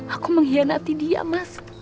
aku menghianati dia mas